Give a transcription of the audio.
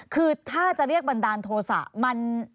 คือถ้าจะเรียกบันดาลโทษะ